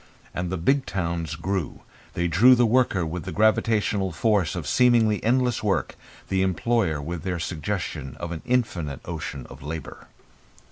And the big towns grew. They drew the worker with the gravitational force of seemingly endless work, the employer with their suggestion of an infinite ocean of labour.